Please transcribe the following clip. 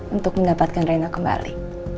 untuk mendapatkan reina kembali